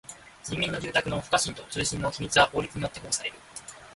人民の住宅の不可侵と通信の秘密は法律によって保護される。